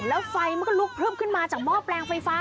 แล้วไฟมันก็ลุกพลึบขึ้นมาจากหม้อแปลงไฟฟ้า